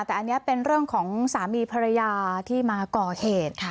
แต่อันนี้เป็นเรื่องของสามีภรรยาที่มาก่อเหตุ